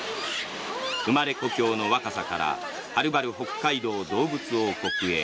生まれ故郷の若狭からはるばる北海道・動物王国へ。